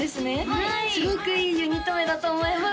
はいすごくいいユニット名だと思います